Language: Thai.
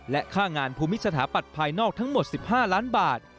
และค่างานภูมิสถาปัตย์ภายนอกทั้งหมด๑๕ล้านบาท